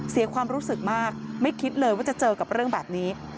เสียความรู้สึกมากไม่คิดเลยว่าจะเจอกับเรื่องแบบนี้